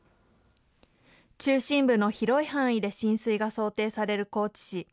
中心部の広い範囲で浸水が想定される高知市。